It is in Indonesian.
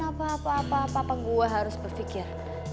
apa apa papa gue harus berpikir